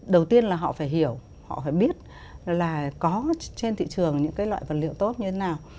đầu tiên là họ phải hiểu họ phải biết là có trên thị trường những cái loại vật liệu tốt như thế nào